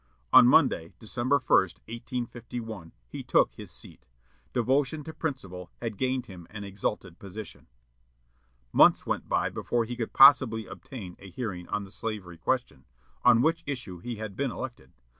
On Monday, December 1, 1851, he took his seat. Devotion to principle had gained him an exalted position. Months went by before he could possibly obtain a hearing on the slavery question, on which issue he had been elected.